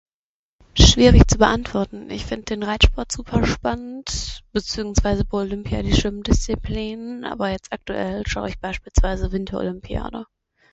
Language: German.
Schwierig zu beantworten, ich find den Reitsport super spannend beziehungsweise bei Olympia die Schwimmdisziplin aber jetzt aktuell schau ich beispielsweise Winterolympiade.